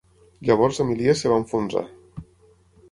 Llavors Amilias es va enfonsar.